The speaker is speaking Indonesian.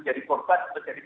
yang terlibat dalam proses itu